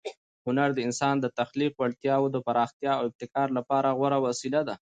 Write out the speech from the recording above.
هنر د انسان د تخلیق وړتیاوو د پراختیا او ابتکار لپاره غوره وسیله ده.